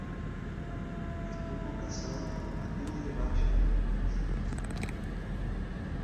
Estuvo casado con Matilde Valle Benítez.